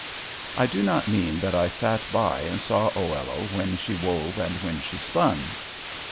I do not mean that I sat by and saw Oello when she wove and when she spun.